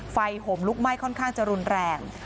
ห่มลุกไหม้ค่อนข้างจะรุนแรง